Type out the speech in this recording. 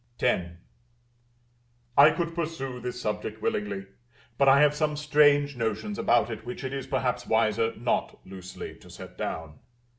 X. I could pursue this subject willingly, but I have some strange notions about it which it is perhaps wiser not loosely to set down.